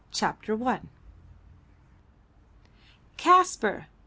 B. CHAPTER I. "Kaspar!